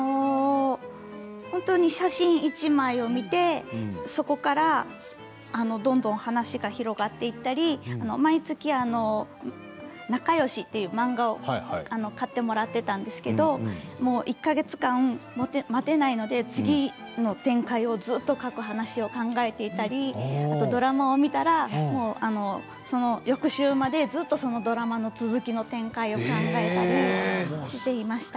本当に写真１枚を見てそこからどんどん話が広がっていったり毎月「なかよし」という漫画を買ってもらっていたんですけれど１か月間、待てないので次の展開をずっと話を考えていたりドラマを見たらその翌週までずっとそのドラマの続きを考えていたりしていました。